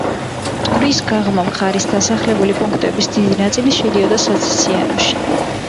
მტკვრის გაღმა მხარის დასახლებული პუნქტების დიდი ნაწილი, შედიოდა საციციანოში.